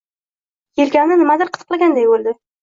Yelkamni nimadir qitiqlaganday bo‘ldi.